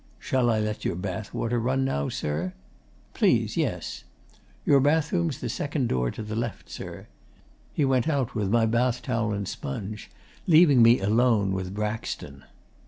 "Shall I let your bath water run now sir?" "Please, yes." "Your bathroom's the second door to the left sir." He went out with my bath towel and sponge, leaving me alone with Braxton.